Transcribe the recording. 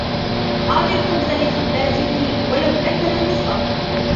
أعط الخبز لخبازه ولو أكل نصفه